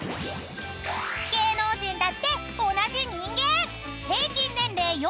［芸能人だって同じ人間］